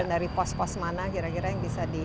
dari pos pos mana kira kira yang bisa di